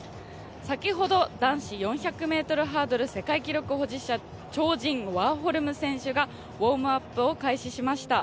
先ほど、男子４００ｍハードル世界記録保持者、超人ワーホルム選手がウォームアップを開始しました。